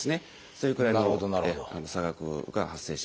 それくらいの差額が発生します。